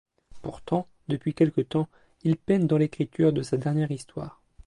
Pourtant, depuis quelque temps, il peine dans l'écriture de sa dernière histoire.